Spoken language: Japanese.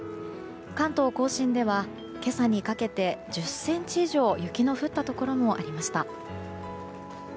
関東・甲信では今朝にかけて１０ｃｍ以上雪の降ったところもありました。